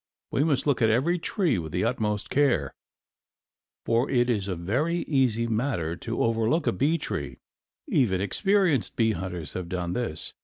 We must look at every tree with the utmost care, for it is a very easy matter to overlook a bee tree, even experienced bee hunters have done this.